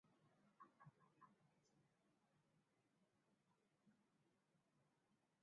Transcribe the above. Waganda wanaoishi karibu na mpaka wa Tanzania wamekuwa wakivuka mpaka kununua petroli iliyo bei ya chini ,